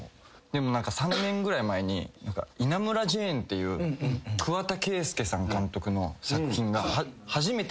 でも３年ぐらい前に『稲村ジェーン』っていう桑田佳祐さん監督の作品が初めて円盤化されたんですよ。